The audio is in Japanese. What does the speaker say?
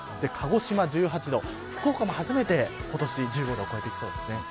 鹿児島１８度福岡も初めて今年１５度を超えてきそうです。